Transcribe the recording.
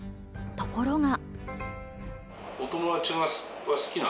ところが。